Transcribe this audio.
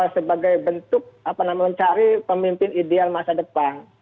sebagai bentuk apa namanya mencari pemimpin ideal masa depan